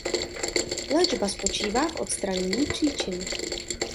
Léčba spočívá v odstranění příčiny.